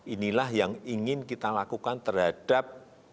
inilah yang ingin kita lakukan terhadap